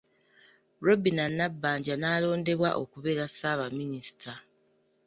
Robinah Nabbanja n’alondebwa okubeera Ssaabaminisita.